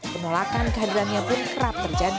penolakan kehadirannya pun kerap terjadi